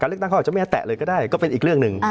เลือกตั้งเขาอาจจะไม่ให้แตะเลยก็ได้ก็เป็นอีกเรื่องหนึ่ง